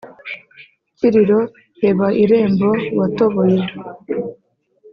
kiriro heba irembo watoboye